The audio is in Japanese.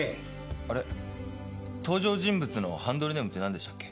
あれっ登場人物のハンドルネームって何でしたっけ？